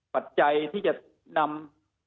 ปัจจัยที่จะนำ